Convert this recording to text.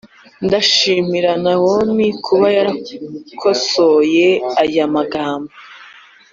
ndashimira naomi kuba yarakosoye aya magambo.